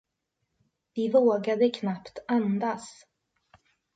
Vi vågade knappt andas.